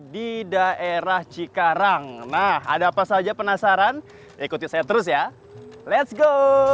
di daerah cikarang nah ada apa saja penasaran ikuti saya terus ya ⁇ lets ⁇ go